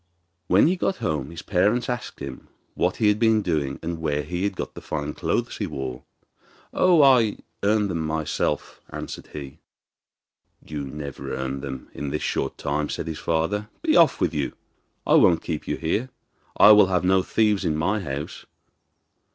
When he got home his parents asked him what he had been doing and where he had got the fine clothes he wore. 'Oh, I earned them myself,' answered he. 'You never earned them in this short time,' said his father. 'Be off with you; I won't keep you here. I will have no thieves in my house!